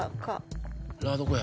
らどこや？